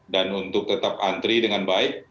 dan untuk tetap antri dengan baik